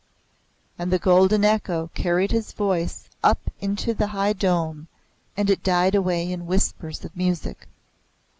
And the golden echo carried his voice up into the high dome, and it died away in whispers of music.